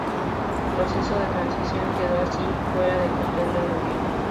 El proceso de transición quedó así fuera del control del gobierno.